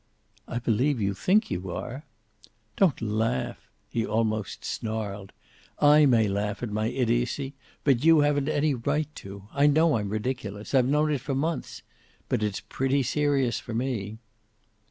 "I believe you think you are." "Don't laugh." He almost snarled. "I may laugh at my idiocy, but you haven't any right to. I know I'm ridiculous. I've known it for months. But it's pretty serious for me."